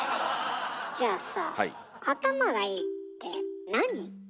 じゃあさ頭がいいってなに？